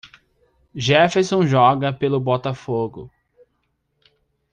Jefferson joga pelo Botafogo.